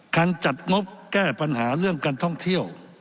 การจัดงบแก้ปัญหาเรื่องการท่องเที่ยว